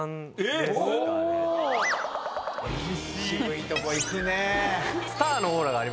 渋いとこ行くね。